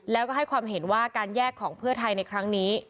แล้วก็ให้ความเห็นว่าการแยกของเพื่อไทยในครั้งนี้